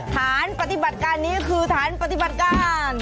ฐานปฏิบัติการนี้คือฐานปฏิบัติการ